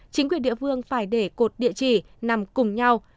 chính quyền địa phương phải để cột địa chỉ nằm cùng nhau